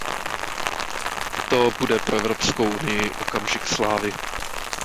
To bude pro Evropskou unii okamžik slávy.